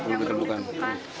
ya belum dikenal